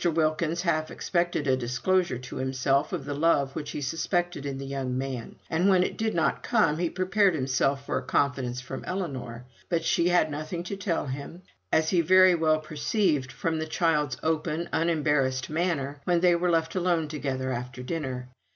Wilkins half expected a disclosure to himself of the love which he suspected in the young man; and when that did not come, he prepared himself for a confidence from Ellinor. But she had nothing to tell him, as he very well perceived from the child's open unembarrassed manner when they were left alone together after dinner.